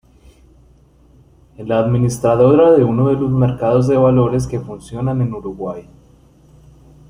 Es la administradora de uno de los mercados de valores que funcionan en Uruguay.